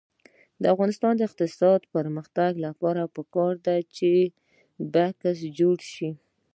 د افغانستان د اقتصادي پرمختګ لپاره پکار ده چې بکسې جوړې شي.